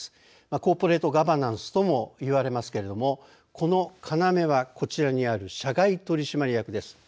コーポレートガバナンスとも言われますけれどもこのかなめはこちらにある社外取締役です。